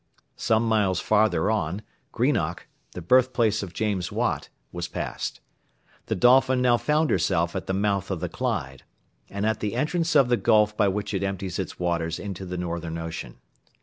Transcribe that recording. Some miles farther on Greenock, the birthplace of James Watt, was passed: the Dolphin now found herself at the mouth of the Clyde, and at the entrance of the gulf by which it empties its waters into the Northern Ocean.